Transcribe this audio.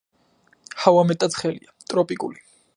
ჰავა მეტად ცხელია, ტროპიკული.